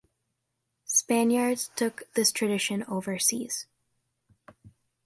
Spaniards took this tradition overseas.